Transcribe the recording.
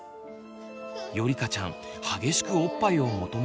よりかちゃん激しくおっぱいを求めます。